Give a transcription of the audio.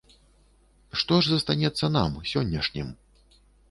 Што ж застанецца нам, сённяшнім?